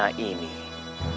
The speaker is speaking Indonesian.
keluar dari istana ini